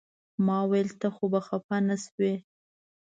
ما ویل ته خو خپه نه شوې.